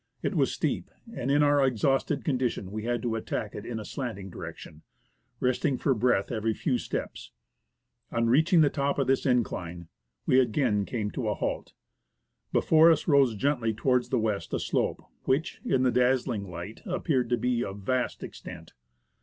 It was steep, and in our exhausted condition we had to attack it in a slanting direction, resting for breath every few steps. On reaching the top of this incline, we again came to a halt. Before us rose gently towards the west a slope which, in the dazzling light, appeared to be of vast extent.